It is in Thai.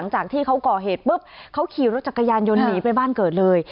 หลังจากที่เขาก่อเหตุปุ๊บเขาขี่รถจักรยานยนต์หนีไปบ้านเกิดเลย